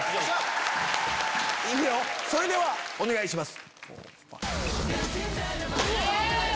それではお願いします。